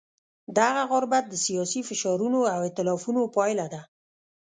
دغه غربت د سیاسي فشارونو او ایتلافونو پایله ده.